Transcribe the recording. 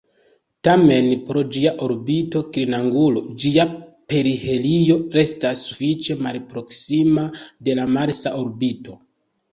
Tamen, pro ĝia orbita klinangulo, ĝia perihelio restas sufiĉe malproksima de la marsa orbito.